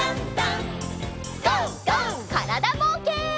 からだぼうけん。